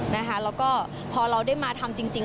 แล้วก็พอเราได้มาทำจริง